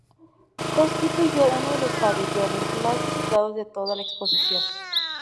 Constituyó uno de los pabellones más visitados de toda la Exposición.